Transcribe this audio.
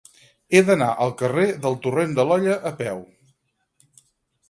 He d'anar al carrer del Torrent de l'Olla a peu.